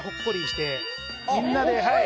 みんなではい。